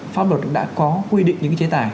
pháp luật cũng đã có quy định những cái chế tài